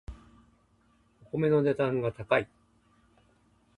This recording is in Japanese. お米の値段が高い